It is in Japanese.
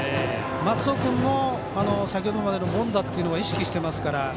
松尾君も、先ほどまでの凡打というのは意識してますから。